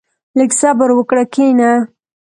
• لږ صبر وکړه، کښېنه.